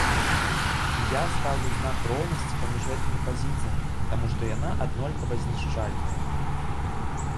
І я стаўлю знак роўнасці паміж гэтымі пазіцыямі, таму што яна аднолькава знішчальныя.